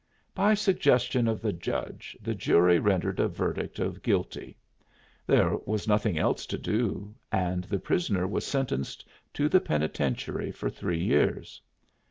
By suggestion of the judge the jury rendered a verdict of guilty; there was nothing else to do, and the prisoner was sentenced to the penitentiary for three years.